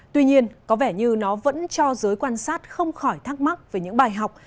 tuy nhiên có vẻ như nó vẫn cho giới quan sát không khỏi thắc mắc về những bài học